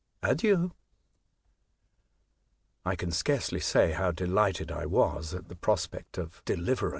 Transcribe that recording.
Adieu !" I can scarcely say how delighted I was at the prospect of deliverance.